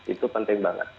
itu penting banget